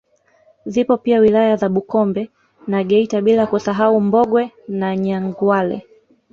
Zipo pia wilaya za Bukombe na Geita bila kusahau Mbogwe na Nyangwale